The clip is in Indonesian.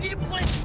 oh dia sudah bisa